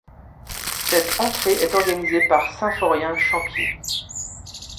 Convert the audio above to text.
Cette entrée est organisée par Symphorien Champier.